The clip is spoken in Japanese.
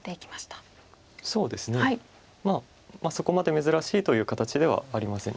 そこまで珍しいという形ではありません。